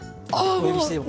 お呼びしても。